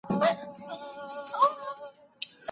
ړوند ډاکټر تر نورو په ګڼ ځای کي اوږده کیسه ښه کوي.